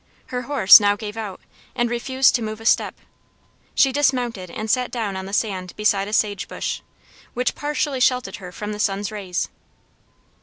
Her horse now gave out, and refused to move a step. She dismounted and sat down on the sand beside a sage bush, which partially sheltered her from the sun's rays.